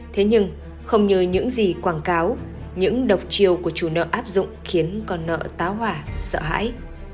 thế nhưng không như những gì quảng cáo những độc chiều của chủ nợ áp dụng khiến con nợ táo hỏa sợ hãi